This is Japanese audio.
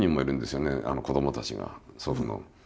子どもたちが祖父の。